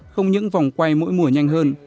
không những vòng quay mỗi mùa nhanh hơn